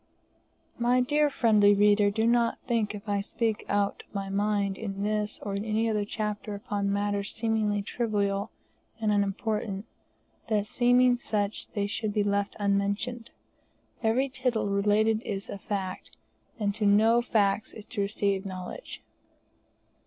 My dear friendly reader, do not think, if I speak out my mind in this or in any other chapter upon matters seemingly trivial and unimportant, that seeming such they should be left unmentioned. Every tittle related is a fact, and to knew facts is to receive knowledge.